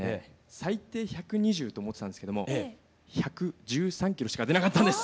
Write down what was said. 最低１２０と思ってたんですけども１１３キロしか出なかったんです。